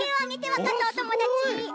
わかったおともだち。